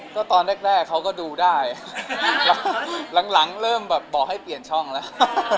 ก็ตอนแรกเขาก็ดูได้หลังเริ่มแบบบอกให้เปลี่ยนช่องแล้ว